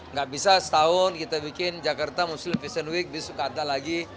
gak bisa setahun kita bikin jkmfw besok ada lagi